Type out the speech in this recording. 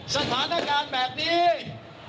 สถานการณ์แบบนี้